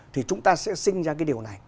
thì chúng ta sẽ sinh ra cái điều này